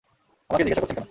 আমাকে জিজ্ঞাসা করছেন কেন?